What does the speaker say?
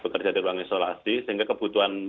bekerja di ruang isolasi sehingga kebutuhan